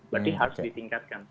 berarti harus ditingkatkan